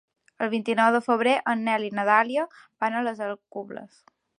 El vint-i-nou de febrer en Nel i na Dàlia van a les Alcubles.